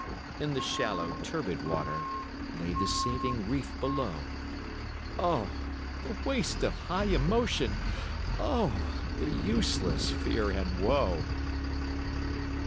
In the shallow, turbid water Lay the saving reef below. Oh, the waste of high emotion! Oh, the useless fear and woe!